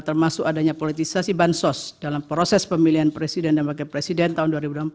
termasuk adanya politisasi bansos dalam proses pemilihan presiden dan wakil presiden tahun dua ribu dua puluh empat